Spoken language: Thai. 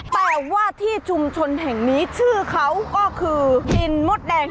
แต่ว่าที่ชุมชนแห่งนี้ชื่อเขาก็คือดินมดแดง